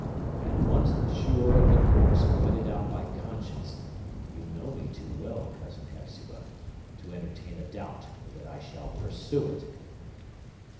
And, once sure of the course pointed out by conscience, you know me too well, Cousin Hepzibah, to entertain a doubt that I shall pursue it."